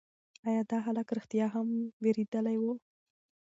ایا دا هلک رښتیا هم وېرېدلی و؟